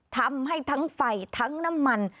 ทำให้ทั้งไฟทั้งน้ำมัน